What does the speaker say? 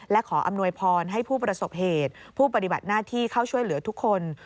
และขออำนวยพรให้ผู้ประสบเหตุผู้ปฏิบัติหน้าที่เข้าช่วยเหลือทุกคน